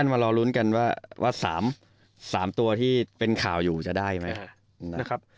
มารอลุ้นกันว่า๓ตัวที่เป็นข่าวอยู่จะได้ไหมนะครับ